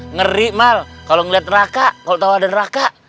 ngeri mal kalo ngeliat neraka kalo tau ada neraka